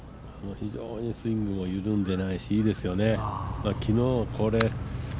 非常にスイングも緩んでいないし、いいですよね。